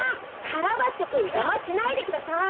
カラバッチョくんじゃましないでください！